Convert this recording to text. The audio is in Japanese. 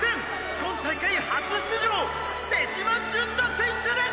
今大会初出場手嶋純太選手です！！」